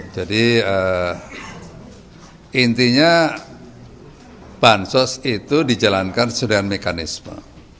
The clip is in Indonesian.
jadi intinya bansos itu dijalankan secara mekanisme